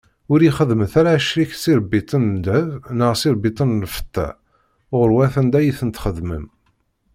Ur iyi-xeddmet ara acrik s iṛebbiten n ddheb, neɣ s iṛebbiten n lfeṭṭa, ɣur-wat anda i ten-txeddmem.